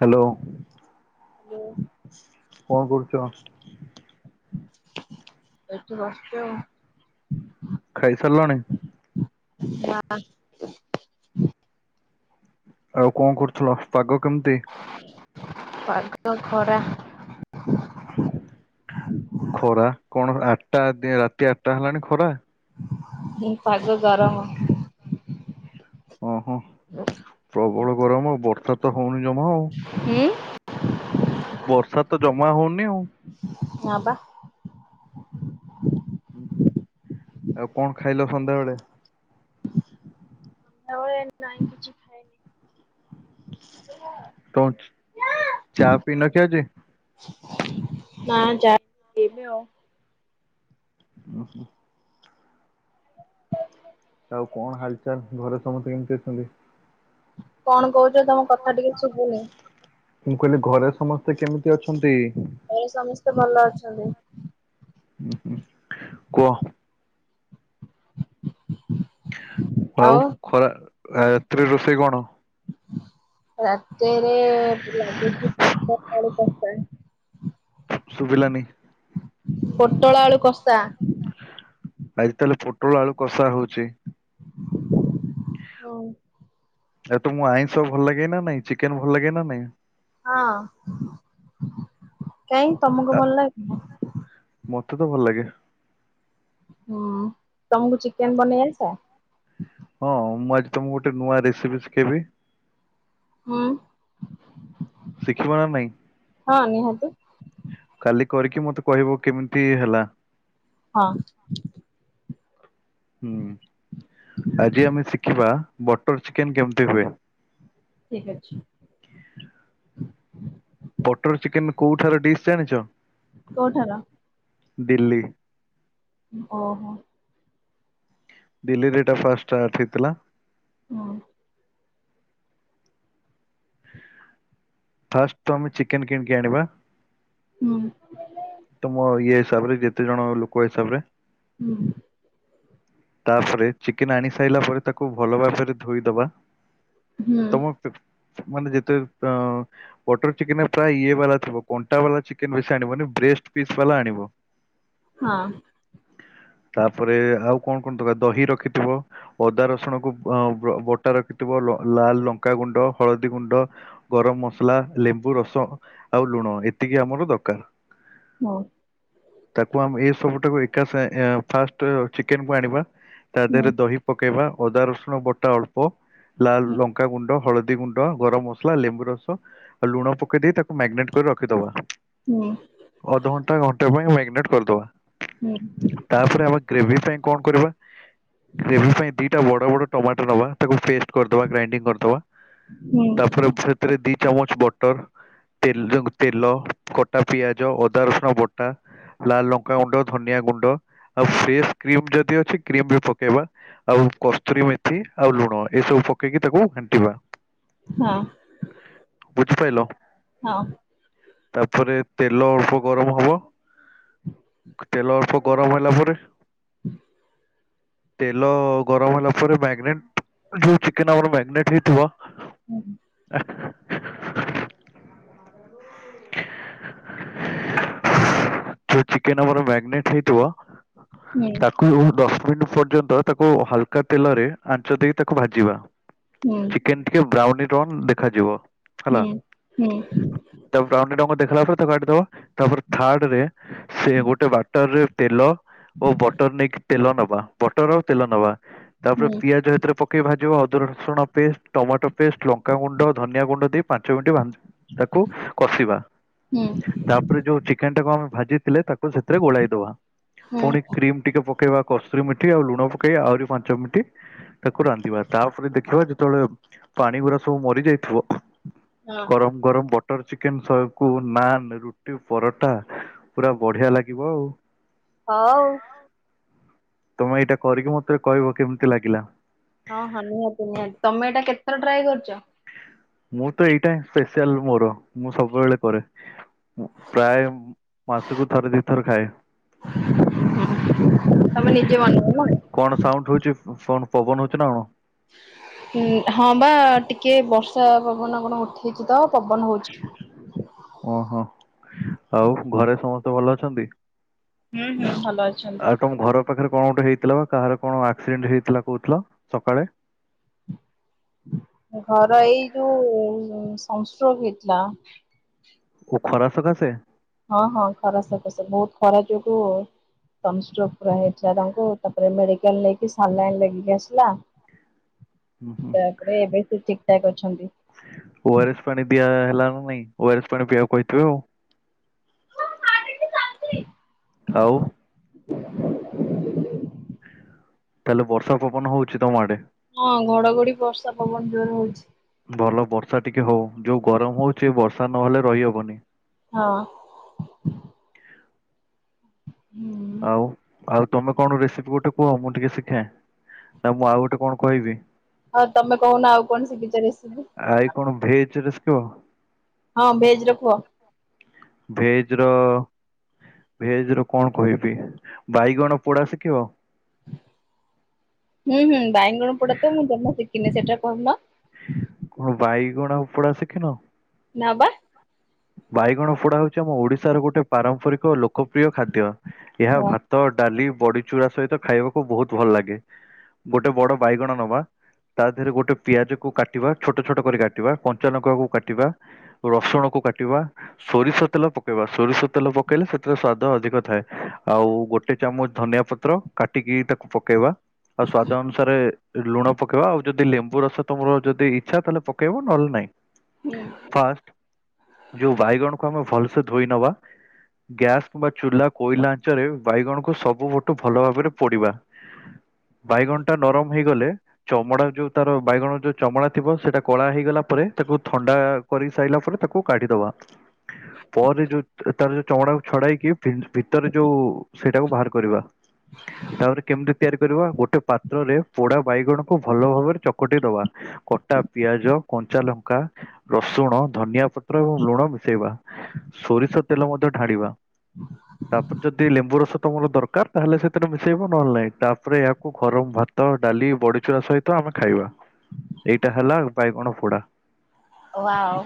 Hello. Hello. କଣ କରୁଚ? ଏଠି ବସିଚୁ ଆଉ। ଖାଇସାରିଲଣି? ହଁ। ଆଉ କଣ କରୁଥିଲ ପାଗ କେମିତି? ପାାଗ ଖରା। ଖରା କଣ ଆଠଟା ଅଧେ ରାତି ଆଠଟା ହେଲାଣି ଖରା? ହ ପାଗ ଗରମ। ଓ ହୋ। ହୁଁ। ପ୍ରବଳ ଗରମ ବର୍ଷା ତ ହଉନି ଜମା ଆଉ। ହୁଁ? ବର୍ଷା ତ ଜମା ହଉନି ଆଉ। ହଁ ବା। ହୁଁ ହୁଁ। ଆଉ କଣ ଖାଇଲ ସନ୍ଧ୍ୟାବେଳେ? ବେଳେ ନାଇଁ କିଛି ଖାଇନି ତ ଚା ପିନ କି ଆଜି? ନା ଚା ପିଇବି ଆଉ। ଓ ହୋ। ଆଉ କଣ ହାଲଚାଲ ଘରେ ସମସ୍ତେ କେମିତି ଅଛନ୍ତି? କଣ କହୁଚ ତମ କଥା ଟିକେ ଶୁଭୁନି? ମୁଁ କହିଲି ଘରେ ସମସ୍ତେ କେମିତି ଅଛନ୍ତି? ଘରେ ସମସ୍ତେ ଭଲ ଅଛନ୍ତି। ଉୁଁ ହୁଁ। କୁହ। ଆଉ ଖରା ରାତି ରେ ରୋଷେଇ କଣ? ରାତିରେ ଲାଗୁଚି ପୋଟଳ ଆଳୁ କଷା। ସୁବିଲାନି? ପୋଟଳ ଆଳୁ କଷା। ଆଜି ତାହେଲେ ପୋଟଳ ଆଳୁ କଷା ହଉଚି। ହଁ। ଆ ତମକୁ ଆଇଁଷ ଭଲ ଲାଗେ ନା ନାଇଁ ଚିକେନ ଭଲ ଲାଗେ ନା ନାଇଁ? ହଁ। କାଇଁ ଆ ତମକୁ ଭଲ ଲାଗେନି? ମତେ ତ ଭଲ ଲାଗେ। ହୁଁ। ତମକୁ ଚିକେନ ବନେଇ ଆସେ? ହଁ ମୁଁ ଆଜି ତମକୁ ଗୋଟେ ନୂଆ ରେସିପି ଶିଖେଇବି। ହୁଁ। ଶିଖିିବ ନା ନାଇଁ? ହଁ ନିହାତି କାଲି କରିକି ମତେ କହିବ କେମିତି ହେଲା। ହଁ। ହୁଁ ଆଜି ଆମେ ଶିଖିବା ବଟର ଚିକେନ କେମିତି ହୁଏ। ଠିକ ଅଛି। ବଟର ଚିକେନ କୋଉଠାର ଡିସ୍ ଜାଣିଚ? କୋଉଠାର? ଡିଲ୍ଲୀ। ଓହୋ। ଡିଲ୍ଲୀରେ ଏଟା ଫାଷ୍ଟ ଷ୍ଟାର୍ଟ ହେଇଥିଲା। ହଁ। ଫାଷ୍ଟ ତ ଆମେ ଚିକେନ କିଣିକି ଆଣିବା। ତମ ଇଏ ହିସାବରେ ଯେତେ ଜଣ ଲୋକ ହିସାବ ରେ। ହୁଁ। ତାପରେ ଚିକେନ ଆଣି ସାଇଲା ପରେ ତାକୁ ଭଲ ଭାବରେ ଧୋଇଦବା। ତମ ପେପ ମାନେ ଯେତେ ଅ ବଟର ଚିକେନ ପ୍ରାୟ ଇଏ ବାଲା ଥିବ କଣ୍ଟା ବାଲା ଚିକେନ ବେଶୀ ଆଣିବନି ବ୍ରେଷ୍ଟ ପିସ୍ ବାଲା ଆଣିବ। ହ ହଁ। ତାପରେ ଆଉ କଣ କଣ ଦକାର ଦହି ରଖିଥିବ ଅଦା ରସୁଣକୁ ବଅ ବ ବଟା ରଖିଥିବ ଲ ଲାଲ ଲଙ୍କା ଗୁଣ୍ଡ ହଳଦୀ ଗୁଣ୍ଡ ଗରମ ମସଲା ଲେମ୍ବୁ ରସ ଆଉ ଲୁଣ ଏତିକି ଆମର ଦକାର। ହଁ। ତାକୁ ଆମେ ଏ ସବୁକୁ ଏକା ଫାଷ୍ଟ ଚିକେନ କୁ ଆଣିବା। ତା ଦେହରେ ଦହି ପକେଇବା, ଅଦା ରସୁଣ ବଟା ଅଳ୍ପ ଲାଲ ଲଙ୍କା ଗୁଣ୍ଡ, ହଳଦୀ ଗୁଣ୍ଡ, ଗରମ ମସଲା, ଲେମ୍ବୁ ରସ ଆଉ ଲୁଣ ପକେଇ ଦେଇ, ତାକୁ ମ୍ୟାରିନେଟ୍ କରି ରଖିଦବା। ହୁଁ ଅଧଘଣ୍ଟା ଘଣ୍ଟା ପାଇଁ ମାରିନେଟ୍ କରିଦବା। ହୁଁ ତାପରେ ଆମେ ଗ୍ରେଭି ପାଇଁ କଣ କରିବା? ଗ୍ରେଭି ପାଇଁ ଦିଟା ବଡ ବଡ ଟମାଟର ନବା, ତାକୁ ପେଷ୍ଟ କରିଦବା ଗ୍ରାଇଣ୍ଡି କରିଦବା। ତାପରେ ଭିତରେ ଦିଇ ଚାମଚ ବଟର ତେଲ, ତେଲ କଟା ପିଆଜ ଅଦା ରସୁଣ ବଟା ଲାଲ ଲଙ୍କା ଗୁଣ୍ଡ, ଧନିଆ ଗୁଣ୍ଡ ଆଉ ଫ୍ରେଶ କ୍ରିମ ଯଦି ଅଛି କ୍ରିମ ବି ପକେଇବା ଆଉ କସ୍ତୁରୀ ମେଥି ଆଉ ଲୁଣ ଏସବୁ ପକେଇକି ତାକୁ ଘାଣ୍ଟିବା ହଁ ଅ ବୁଝିପାରଲ? ତାପରେ ତେଲ ଅଳ୍ପ ଗରମ ହବ। [inaudible] ତେଲ ଅଳ୍ପ ଗରମ ହେଲା ପରେ [inaudible] ତେଲ ଗରମ ହେଲା ପରେ ମ୍ୟାଗନେଟ୍ ଯୋଉ ଚିକେ ଆମର ମେଟ ହେଇଥିବ ହୁଁ ହୁଁ [inaudible] ଯଉ ଚିକେନ ଆମର ମ୍ୟାଗନେଟ ହେଇଥିବ ହୁଁ ତାକୁ ଡଷ୍ଟବିନ ପର୍ଯ୍ୟନ୍ତ, ତାକୁ ହାଲକା ତେଲରେ ଆଞ୍ଚ ଦେଇ ତାକୁ ଭାଜିବା। ହୁଁ ଉଁ ଚିକେନ ଟିକେ ବ୍ରାଉନି ରନ୍ ଦେଖାଯିବ। ହୁଁ ହୁଁ। ତାପରେ ବ୍ରାଉନି ରଙ୍ଗ ଦେଖିଲା ପରେ ତ କାଟିଦବା ତାପରେ ଥାର୍ଡରେ ସେ ଗୋଟେ ବାଟରରେ ତେଲ ଓ ବଟର ନେଇକି ତେଲ ନବା, ବଟର ଆଉ ତେଲ ନବା, ତାପରେ ପିଆଜ ଏଥିରେ ପ ପକେଇ ଭାଜିବ, ଅଦର ରସୁଣ ପେଷ୍ଟ, ଟମାଟୋ ପେଷ୍ଟ, ଲଙ୍କାଗୁଣ୍ଡ, ଧନିଆଗୁଣ୍ଡ, ଦେଇ ପାଞ୍ଚ ମିନିଟ୍ ଭାଜ ତାକୁ କଷିବା ତାପରେ ଯୋଉ ଚିକେନ ଟାକୁ ଆମେ ଭାଜିଥିଲେ, ତାକୁ ସେଥିରେ ଗୋଳେଇ ଦବା, ପୁଣି ହଁ କ୍ରିମ ଟିକେ ପକେଇବା, କସ୍ତୁରୀ ମିଠି ଆଉ ଲୁଣ ପକାଇ ଆହୁରି ପାଞ୍ଚ ମିଣ୍ଟି ତାକୁ ରାନ୍ଧିବା, ତାପରେ ଦେଖିବା ଯେତେବେଳେ ପାଣି ଗୁଡା ସବୁ ମରିଯାଇଥିବ। ଗରମ ଗରମ ବଟର ଚିକେନ ଶହକୁ ନାନ୍ ରୁଟି, ପରଟା ପୁରା ବଢିଆ ଲାଗିବ ଆଉ ହଉ। ତମେ ଏଇଟା କରିକି ମତେ କହିବ, କେମିତି ଲାଗିଲା? ହଁ ହଁ ନିହାତି ନିହାତି ତମେ ଏଇଟା କେତେଥର ଟ୍ରାଏ କରିଛ। ମୁଁ ତ ଏଇଟା ସ୍ପେସିଆଲ ମୋର। ମୁଁ ସବୁବେଳେ କରେ, ପ୍ରାୟ ମାସକୁ ଥରେ ଦି ଥର ଖାଏ। [inaudible] ହୁଁ, ତମେ ନିଜେ ବନାଅ ନା କଣ ସାଉଣ୍ଡ ହଉଛି ଫୋନ ପବନ ହଉଛି ନା କଣ? ଉ ହଁ ବା ଟିକେ ବର୍ଷା ପବନ କଣ ଉଠେଇଛି? ତ ପବନ ହଉଛି। ଓହୋ ଆଉ ଘରେ ସମସ୍ତେ ଭଲ ଅଛନ୍ତି? ହୁଁ ହୁଁ ଭଲ ଅଛି। ଆଉ ତମ ଘର ପାଖରେ କଣ ଗୋଟେ ହେଇଥିଲା, ବା କାହାର କଣ ଆକ୍ସିଡେଣ୍ଟ ହେଇଥିଲା କହୁଥିଲ ସକାଳେ? ଘର ଏଇ ଯୋଉ ସନଷ୍ଟ୍ରୋକ ହେଇଥିଲା। ଓ ଖରା ସକାଶେ? ହଁ ହଁ ଖରା ସକାଶେ ବହୁତ ଖରା ଯୋଗୁ ସନଷ୍ଟ୍ରୋକ ପୁରା ହେଇଥିଲା ତାଙ୍କୁ ତାପରେ ମେଡିକାଲ ନେଇକି ସାଲାଇନ୍ ଲାଗିକି ଆସିଲା। [inaudible] ତାପରେ ଏବେ ସେ ଠିକଠାକ୍ ଅଛନ୍ତି। ଓ ଆର ଏସ ପାଣି ଦିଆ ହେଲାନା ନାଇଁ ଓ ଆର ଏସ ପାଣି ପିଆକୁ କହିଥିବ ଆଉ ମୋ ସାଇଟ୍ ଚାଲିଛି? ଆଉ? [inaudible] ତା ହେଲେ ବର୍ଷା ପବନ ହଉଛି ତମ ଆଡେ? ହଁ ଘଡଘଡି ବର୍ଷା ପବନ ଜୋରେ ହଉଛି। ଭଲ ବର୍ଷା ଟିକେ ହଉ ଯୋଉ ଗରମ ହଉଛି ବର୍ଷା ନହେଲେ ରହିହବନି। ହଁ। ଆଉ? ଆଉ ତମେ କଣ ରେସିପି ଗୋଟେ କୁ ମୁଁ ଟିକେ ଶିଖେ ନା ମୁଁ ଆଉ ଗୋଟେ କଣ କହିବି? ହଁ ତମେ କହୁନ ଆଉ କଣ ଶିଖିଚ ରେସିପି? ଆଇ କଣ ଭେଜ ର ଶିଖିବ? ହଁ ଭେଜ୍ ର କୁହ। ଭେଜ ର ଭେଜ ର କଣ କହିବି ବାଇଗଣ ପୋଡା ଶିଖିବ? ହୁଁ ହୁଁ ବାଇଗଣ ପୋଡା ତ ମୁଁ ଜମା ଶିଖିନି ସେଟା କହିଲ। କଣ ବାଇଗଣ ପୋଡା ଶିଖିନ? ନା ପା। ବାଇଗଣ ପୋଡ଼ା ହଉଛି ଆମ ଓଡ଼ିଶାର ଗୋଟେ ପାରମ୍ପରିକ ଓ ଲୋକପ୍ରିୟ ଖାଦ୍ୟ। ଏହା ହୁଁ ଭାତ ଡାଲି ବଡିଚୁରା ସହିତ ଖାଇବାକୁ ବହୁତ ଭଲ ଲାଗେ। ଗୋଟେ ବଡ ବାଇଗଣ ନବା। ତା ଦେହରେ ଗୋଟେ ପିଆଜ କୁ କାଟିବା ଛୋଟ ଛୋଟ କରି କାଟିବା କଞ୍ଚା ଲଙ୍କା କୁ କାଟିବା। ରସୁଣ କୁ କାଟିବା। ସୋରିଷ ତେଲ ପକେଇବା ସୋରିଷ ତେଲ ପକେଇଲେ ସେଥିରେ ସ୍ଵାଦ ଅଧିକ ଥାଏ ଆଉ ଗୋଟେ ଚାମଚ ଧନିଆ ପ ତ୍ର କାଟିକି ତାକୁ ପକେଇବା ଆଉ ସ୍ଵାଦ ଅନୁସାରେ ଲୁଣ ପକେଇବା ଆଉ ଯଦି ଲେମ୍ବୁ ରସ ତମର ଯଦି ଇଚ୍ଛା ତାହେଲେ ପକେଇବ ନହେଲେ ନାଇଁ। ହୁଁ। ଫାଷ୍ଟ୍ ଯୋଉ ବାଇଗଣକୁ ଆମେ ଭଲସେ ଧୋଇ ନବା ଗ୍ୟାସ୍ କିମ୍ବା ଚୁଲା କୋଇଲା ଆଞ୍ଚରେ ବାଇଗଣକୁ ସବୁ ପଟୁ ଭଲ ଭାବରେ ପୋଡିବା। ବାଇଗଣଟା ନରମ ହେଇଗଲେ ଚମଡା ଯୋଉ ତାର ବାଇଗଣ ଯୋଉ ଚମଡା ଥିବ ସେଇଟା କଳା ହେଇଗଲା ପରେ ତାକୁ ଥଣ୍ଡା କରି ସାଇଲା ପରେ ତାକୁ କାଡିଦବା। ହଁ। ପରେ ଯୋଉ ତାର ଯୋଉ ଚମଡାକୁ ଛଡେଇକି ଭିତରେ ଯୋଉ ସେଇଟାକୁ ବାହାର କରିବା। ତାପରେ କେମିତି ତିଆରି କରିବା ଗୋଟେ ପା ତ୍ର ରେ ପୋଡା ବାଇଗଣକୁ ଭଲ ଭାବରେ ଚକଟି ଦବା। କଟା ପିଆଜ କଞ୍ଚା ଲଙ୍କା ରସୁଣ ଧନିଆ ପ ପତ୍ର ଏବଂ ଲୁଣ ମିଶେଇବା ସୋରିଷ ତେଲ ମଧ୍ୟ ଢାଣିବା। ତା ପରେ ଯଦି ଲେମ୍ବୁ ରସ ତମର ଦରକାର ତାହେଲେ ସେଥିରେ ମିଶେଇବ ନହେଲେ ନାଇଁ ତାପରେ ଏହାକୁ ଗରମ ଭାତ, ଡାଲି, ବଡିଚୁର ସହିତ ଆମେ ଖାଇବା। ଏଇଟା ହେଲା ବାଇଗଣ ପୋଡା। ୱାଓ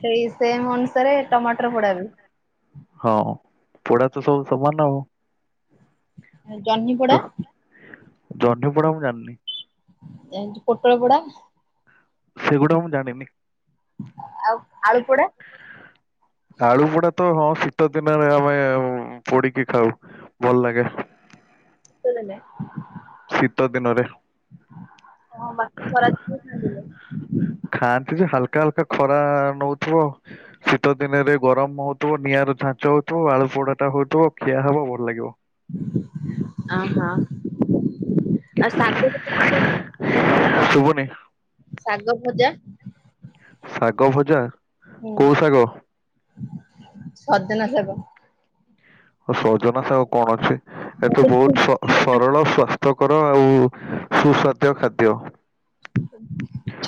ସେଇ ସେମ ଅନୁସାରେ ଟମାଟର ପୋଡା ବି? ହଁ ପୋଡା ତ ସବୁ ସମାନ ଆଉ। ଜହ୍ନିପୋଡା? ଜହନପଡା ମୁଁ ଜାଣିନି। ଏ ପୋଟଳ ପୋଡା। ସେଗୁଡା ମୁଁ ଜାଣିନି। ଆଉ ଆଳୁ ପୋଡା। ହ [unintelligible] ଆଳୁ ପୋଡା ତ ହଁ ଶୀତ ଦିନରେ ଆମେ ପୋଡିକି ଖାଉ ଭଲ ଲାଗେ। ତଲନେ [unintelligible] ଶୀତ ଦିନରେ। ହଁ ବାକି ଖରା ଦିନେ ଖାଆନ୍ତିନି। ଖାଆନ୍ତି ଯେ ହାଲକା ହାଲକା ଖରା ନଉଥିବ ଆ। ଶୀତ ଦିନରେ ଗରମ ହଉଥିବ, ନିଆର ଝାଞ୍ଚ ହଉଥିବ ଆଳୁ ପୋଡା ଟା ହଉଥିବ ଖିଆ ହବ ଭଲ ଲାଗିବ। ଅ ହଁ ଆ ସା [unintelligible] ଶୁଭୁନି। ଶାଗ ଭଜା। ଶାଗ ଭଜା, ହୁଁ କୋଉ ଶାଗ? ସଜନା ଶାଗ। ସଜନା ସାାଗ କଣ ଅଛି? ଏତ ବହୁତ ସରଳ ସ୍ୱାସ୍ଥ୍ୟ, କର ଆଉ ସୁସ୍ୱାଦ୍ୟ ଖାଦ୍ୟ।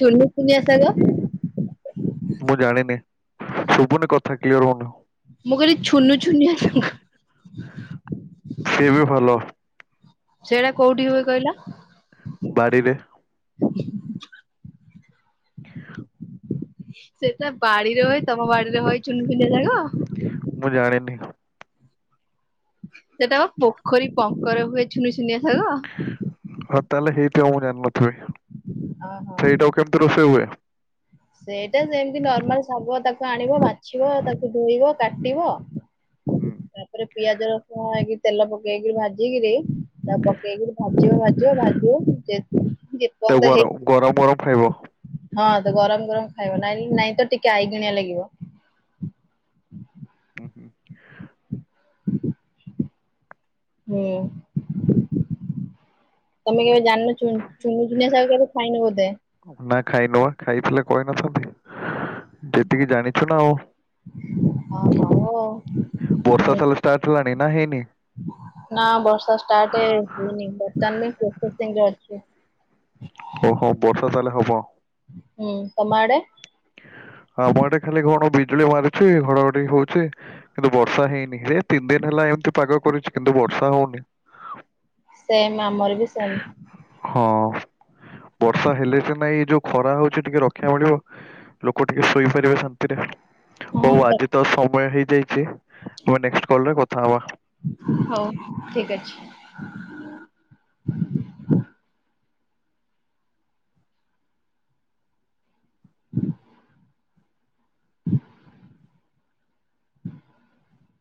ସୁନୁସୁନିଆ ସାଗ। ମୁଁ ଜାଣିନି ଶୁଭୁନି କଥା କ୍ଲିୟର ମନ ମୁଁ କଲି ଛୁନୁ ଛୁନଆ ଶାଗ। ସିଏ ବି ଭଲ। ସେଇଟା କୋଉଠି ହୁଏ କହିଲା। ବାଡ଼ିରେ। [inaudible] ସେଟ ବାଡିରେ ହଏ ତମ ବାଡିରେ ହଏ ଚୁନୁଚୁନିଆ ଶାଗ। ମୁଁ ଜାଣ ନାଇ। ସେତା ଅ ପୋଖରୀ ପଙ୍କର ହୁଏ ଛୁନୁ ଛୁନିଆ ସାଗ। ହଉ ତାହେଲେ ହେଇଥିବଆଉ ମୁଁ ଜାଣିନଥିବି। ଓହୋ। ସେଇଟାକୁ କେମିତି ରୋଷେଇ ହୁଏ? ସେଇଟା ସେ ସେମିତି ନର୍ମାଲ ଶାଗ ତାକୁ ଆଣିବ ବାଛିବ ତାକୁ ଧୋଇବ କାଟିବ। ହୁଁ। ତାରେ ପିଆଜ ରସୁଣ ହେଇକି ତେଲ ପକେଇକରି ଭାଜିକିରି ପକେଇକରି ଭାଜିବ ଭାଜିବ ଭାଜିବ। [inaudible] ତ ଗର ଗରମ ଗରମ ଖାଇବ। ହଁ ତ ଗରମ ଗରମ ଖାଇବ। ନାଇଁ ନାଇଁ ତ ଟିକେ ଆଇଗିଣିଆ ଲାଗିବ। ହୁଁ ହୁଁ [unintelligible] ଆଜ୍ଞା [inaudible] ହଁ। ତମେ କେବେ ଜାଣିନ ଚ ଚୁନୁଚୁନିଆ ଶାଗ ଆଉ କେବେ ଖାଇନ ବୋଧେ। ନା ଖାଇ ନୁ ଖାଇଥିଲେ କହିନଥାନ୍ତି। ଯେତିକି ଜାଣିଛୁ ନା ଆଉ। ହଁ ହଉଉ। ବର୍ଷାଷ୍ଟାର୍ଟ ହେଲାଣି ନା ହେଇନି। ନା ବର୍ଷା ଷ୍ଟାର୍ଟ ହଏନି ବର୍ତ୍ତମାନ ପ୍ରସେସିରେ ଅଛି। ଓ ହୋ ବର୍ଷ ଚାଲେ ହବ। ହୁଁ ତମଆଡ଼େ। ଆମ ଏଡ଼ ଖାଲି କଣ ବିଜୁଳି ମାରୁଛି ଘଡଘଡି ହଉଛି। କିନ୍ତୁ ବର୍ଷା ହେଇନି ହେ ତିନି ଦିନ ହେଲା ଏମିତି ପାଗ କରୁଛି କିନ୍ତୁ ବର୍ଷା ହଉନି। ସେମ୍ ଆମର ବି ସେମ୍। ହଁ ବର୍ଷା ହେଲେ ସିନା ଏ ଯୋଉ ଖରା ହଉଛି ଟିକେ ରକ୍ଷା ମିଳିବ। ଲୋକ ଟିକେ ଶୋଇପାରିବେ ଶାନ୍ତିରେ ହଉ ହଁ ଆଜି ତ ସମୟ ହେଇଯାଇଛି। ପରେ କଲ ରେ କଥା ହବା। ହଉ ଠିକ ଅଛି। [inaudible] [inaudible] [inaudible]